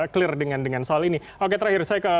clear dengan soal ini oke terakhir saya ke